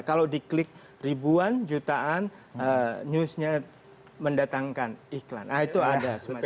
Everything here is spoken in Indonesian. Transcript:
kalau diklik ribuan jutaan newsnya mendatangkan iklan nah itu ada semacam